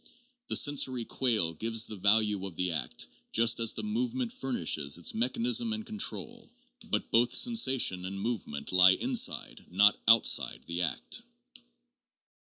The sensory quale gives the value of the act, just as the movement furnishes its mechanism and control, but both sensa tion and movement lie inside, not outside the act.